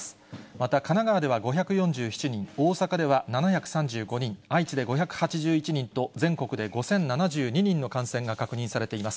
また神奈川では５４７人、大阪では７３５人、愛知で５８１人と、全国で５０７２人の感染が確認されています。